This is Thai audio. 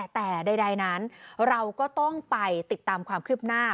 แต่ใดนั้นเราก็ต้องไปติดตามความคืบหน้า